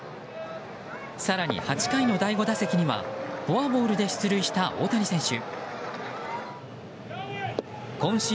更に、８回の第５打席にはフォアボールで出塁した大谷選手。